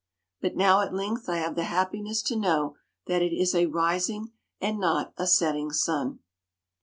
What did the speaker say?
But now, at length, I have the happiness to know that it is a rising, and not a setting, sun."